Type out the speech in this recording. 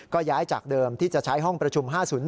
ก็ย้ายจากเดิมที่จะใช้ห้องประชุม๕๐